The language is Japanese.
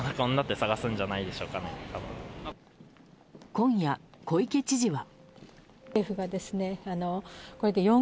今夜、小池知事は。